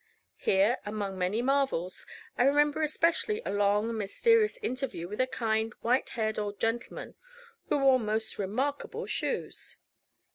Here, among many marvels, I remember especially a long and mysterious interview with a kind, white haired old gentleman, who wore most remarkable shoes.